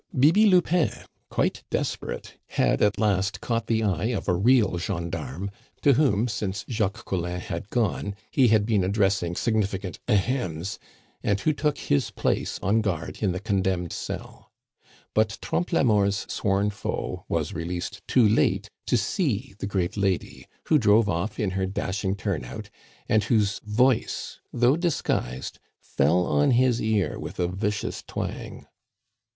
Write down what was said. Bibi Lupin, quite desperate, had at last caught the eye of a real gendarme, to whom, since Jacques Collin had gone, he had been addressing significant "Ahems," and who took his place on guard in the condemned cell. But Trompe la Mort's sworn foe was released too late to see the great lady, who drove off in her dashing turn out, and whose voice, though disguised, fell on his ear with a vicious twang.